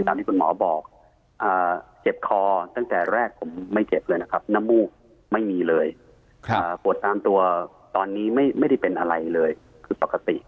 ที่คุณหมอบอกเจ็บคอตั้งแต่แรกผมไม่เจ็บเลยนะครับน้ำมูกไม่มีเลยปวดตามตัวตอนนี้ไม่ได้เป็นอะไรเลยคือปกติ